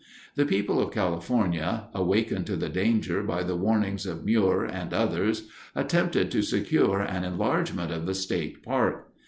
The people of California, awakened to the danger by the warnings of Muir and others, attempted to secure an enlargement of the state park.